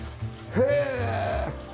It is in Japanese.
へえ！